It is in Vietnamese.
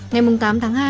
ngày tám tháng một mươi hai